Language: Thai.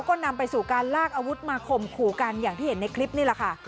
ก็นำไปสู่การลากอาวุธมาข่มขู่กันอย่างที่เห็นในคลิปนี่แหละค่ะ